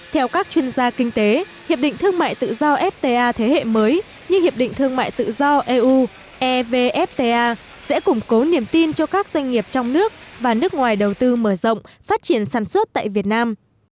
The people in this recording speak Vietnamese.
theo các chuyên gia kinh tế hiệp định thương mại tự do fta thế hệ mới như hiệp định thương mại tự do eu evfta sẽ củng cố niềm tin cho các doanh nghiệp trong nước và nước ngoài đầu tư mở rộng phát triển sản xuất tại việt nam